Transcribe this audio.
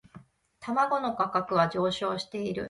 卵の価格は上昇している